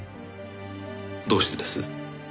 どうしてです？